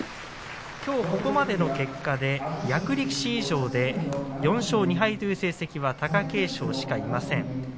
きょうここまでの結果で役力士以上で４勝２敗という成績は貴景勝しかいません。